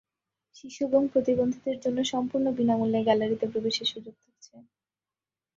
শিশু এবং প্রতিবন্ধীদের জন্য সম্পূর্ণ বিনা মূল্যে গ্যালারিতে প্রবেশের সুযোগ থাকছে।